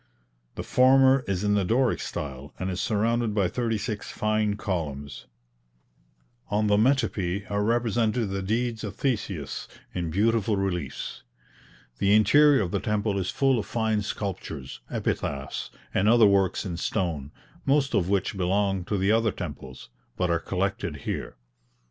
The former is in the Doric style, and is surrounded by thirty six fine columns. On the metope are represented the deeds of Theseus in beautiful reliefs. The interior of the temple is full of fine sculptures, epitaphs, and other works in stone, most of which belong to the other temples, but are collected here.